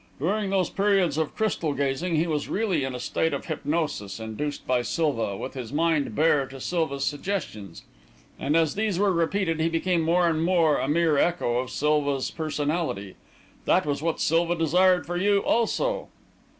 "During those periods of crystal gazing, he was really in a state of hypnosis, induced by Silva, with his mind bare to Silva's suggestions; and as these were repeated, he became more and more a mere echo of Silva's personality. That was what Silva desired for you, also."